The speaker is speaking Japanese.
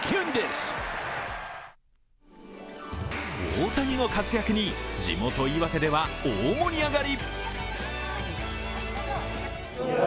大谷の活躍に地元・岩手では大盛り上がり。